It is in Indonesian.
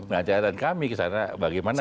nah catatan kami kesana bagaimana